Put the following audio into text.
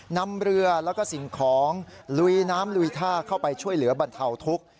นำเรือแล้วก็สิ่งของลุยน้ำลุยท่าเข้าไปช่วยเหลือบรรเทาทุกข์